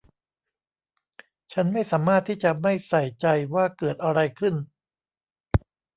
ฉันไม่สามารถที่จะไม่ใส่ใจว่าเกิดอะไรขึ้น